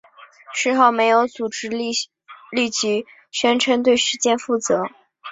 事后没有组织立即宣称对事件负责。